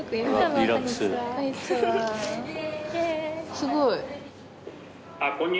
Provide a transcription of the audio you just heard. すごい。